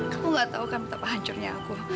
kamu gak tahu kan betapa hancurnya aku